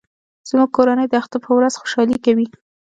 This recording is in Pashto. زموږ کورنۍ د اختر په ورځ خوشحالي کوي